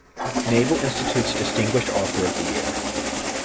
Naval Institute's Distinguished Author of the Year.